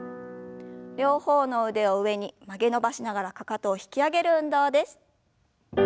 両方の腕を上に曲げ伸ばしながらかかとを引き上げる運動です。